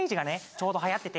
ちょうど流行ってて。